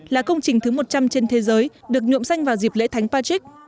là công trình thứ một trăm linh trên thế giới được nhuộm xanh vào dịp lễ thánh patrick